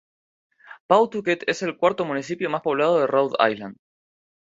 Pawtucket es el cuarto municipio más poblado de Rhode Island.